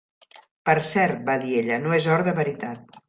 Per cert, va dir ella, no és or de veritat.